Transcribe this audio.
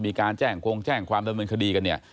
มีการแจ้งคงแจ้งความดำเนินคดีกันเนี่ย